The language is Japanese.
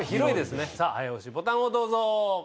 さぁ早押しボタンをどうぞ。